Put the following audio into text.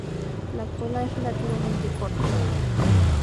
La cola es relativamente corta.